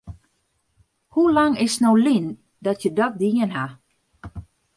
Hoe lang is it no lyn dat je dat dien ha?